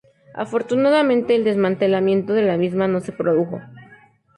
Afortunadamente el desmantelamiento de la misma no se produjo.